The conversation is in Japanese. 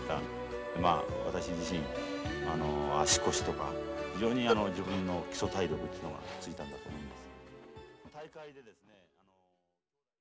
まあ私自身足腰とか非常に自分の基礎体力というのがついたんだと思います。